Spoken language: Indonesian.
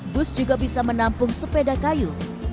bus juga bisa menampung sepeda kayu